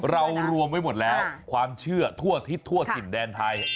รวมไว้หมดแล้วความเชื่อทั่วทิศทั่วถิ่นแดนไทย